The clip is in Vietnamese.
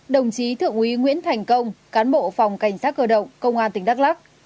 đồng chí thượng úy nguyễn thành công cán bộ phòng cảnh sát cơ động công an tỉnh đắk lắc